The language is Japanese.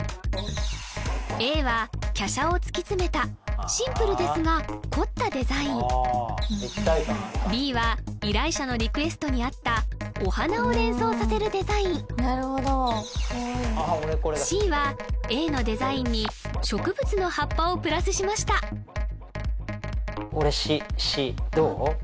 Ａはきゃしゃを突き詰めたシンプルですが凝ったデザインＢは依頼者のリクエストにあったお花を連想させるデザインＣはＡのデザインに植物の葉っぱをプラスしました俺Ｃどう？